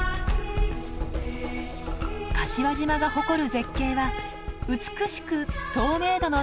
柏島が誇る絶景は美しく透明度の高い海。